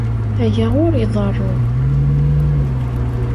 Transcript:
Aya ur iḍerru.